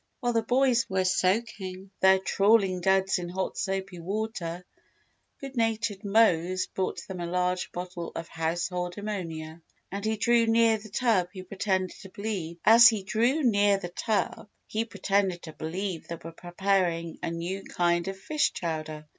While the boys were soaking their trawling duds in hot soapy water, good natured Mose brought them a large bottle of household ammonia. As he drew near the tub he pretended to believe they were preparing a new kind of fish chowder.